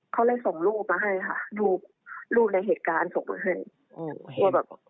เขาส่งรูปมาให้รูปในเหตุการณ์ส่งมา